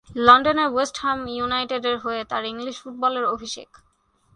লন্ডনের West Ham ইউনাইটেডের হয়ে তার ইংলিশ ফুটবলের অভিষেক।